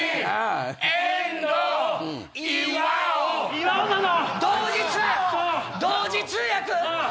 岩尾なの！